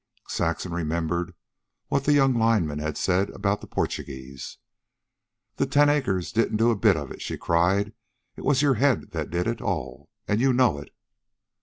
Saxon remembered what the young lineman had said about the Portuguese. "The ten acres didn't do a bit of it," she cried. "It was your head that did it all, and you know it."